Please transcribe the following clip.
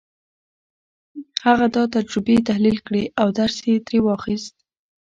هغه دا تجربې تحليل کړې او درس يې ترې واخيست.